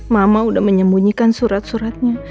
mama udah menyembunyikan surat suratnya